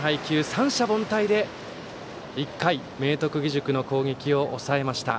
三者凡退で、１回明徳義塾の攻撃を抑えました。